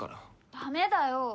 ダメだよ。